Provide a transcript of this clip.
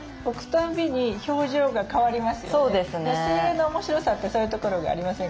寄せ植えの面白さってそういうところがありませんか？